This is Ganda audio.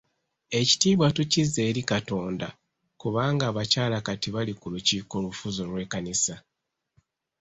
Ekitiibwa tukizza eri Katonda kubanga abakyala kati bali ku lukiiko olufuzi olw'ekkanisa.